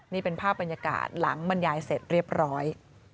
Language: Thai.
นี่เป็นภาพบรรยากาศหลังบรรยายเสร็จเรียบร้อย